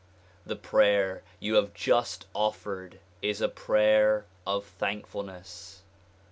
The prayer you have just offered is a prayer of thankfulness.